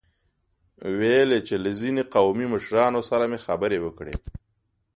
ويل يې چې له ځينو قومي مشرانو سره مې خبرې وکړې.